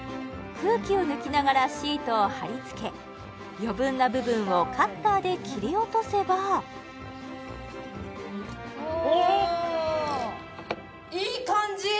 空気を抜きながらシートを貼り付け余分な部分をカッターで切り落とせばおおっおおいい感じ！